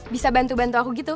bisa bantu bantu aku gitu